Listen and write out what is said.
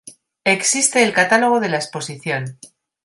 Existe el catálogo de la exposición.